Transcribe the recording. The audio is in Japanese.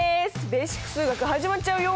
「ベーシック数学」始まっちゃうよ。